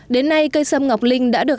đến nay cây xâm ngọc linh đã được